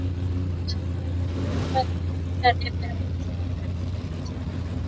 Shirika hilo limekuwa likipigia debe haki za wapenzi wa jinsia moja